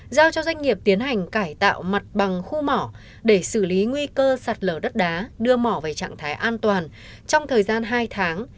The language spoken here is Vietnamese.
giao cho doanh nghiệp tiến hành cải tạo mặt bằng khu mỏ để xử lý nguy cơ sạt lở đất đá đưa mỏ về trạng thái an toàn trong thời gian hai tháng